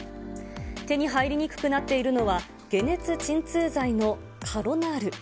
手に入りにくくなっているのは、解熱鎮痛剤のカロナール。